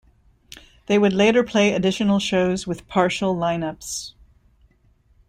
They would later play additional shows with partial lineups.